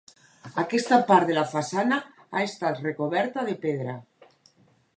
Aquesta part de la façana ha estat recoberta de pedra.